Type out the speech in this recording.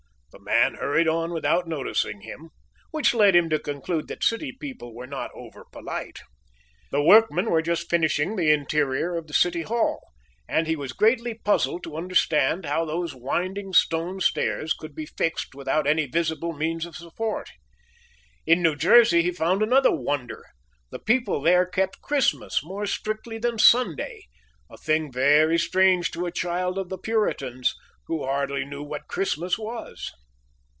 The man hurried on without noticing him; which led him to conclude that city people were not over polite. The workmen were just finishing the interior of the City Hall, and he was greatly puzzled to understand how those winding stone stairs could be fixed without any visible means of support. In New Jersey he found another wonder. The people there kept Christmas more strictly than Sunday; a thing very strange to a child of the Puritans, who hardly knew what Christmas was.